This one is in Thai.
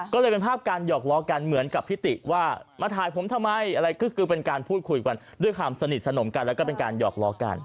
ก็เลยเป็นภาพการหยอกล้อกันเหมือนกับพิติว่ามาถ่ายผมทำไมอะไรคือเป็นการพูดคุยกันด้วยความสนิทสนมกันแล้วก็เป็นการหอกล้อกัน